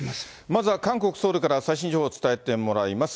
まずは韓国・ソウルから最新情報を伝えてもらいます。